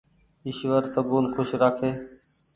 ايشور سبون کوش رآکي